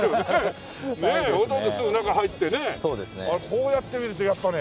こうやって見るとやっぱね。